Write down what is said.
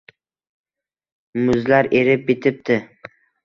Muzlar erib bitibdi